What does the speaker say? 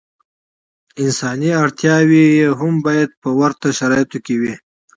انساني اړتیاوې یې هم باید په ورته شرایطو کې وي.